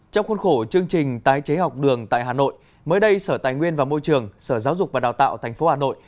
trong khuôn khổ chương trình tái chế học đường tại hà nội mới đây sở tài nguyên và môi trường sở giáo dục và đào tạo tp hà nội